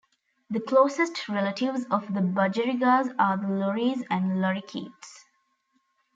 The closest relatives of the budgerigar are the lories and lorikeets.